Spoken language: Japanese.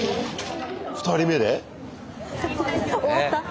２人目で？